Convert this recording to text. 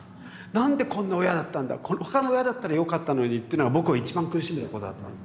なんでこんな親だったんだ他の親だったらよかったのにっていうのが僕を一番苦しめたことだったので。